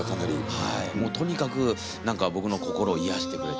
はいもうとにかく僕の心を癒やしてくれて。